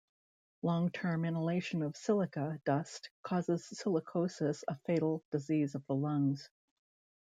Long-term inhalation of silica dust causes silicosis, a fatal disease of the lungs.